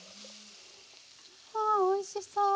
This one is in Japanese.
わあおいしそう。